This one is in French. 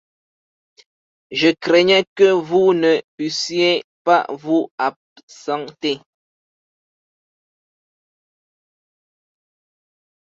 Je craignais que vous ne puissiez pas vous absenter.